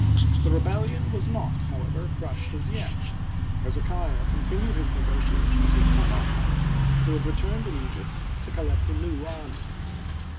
The rebellion was not, however, crushed as yet. Hezekiah continued his negotiations with Taharqa, who had returned to Egypt to collect a new army.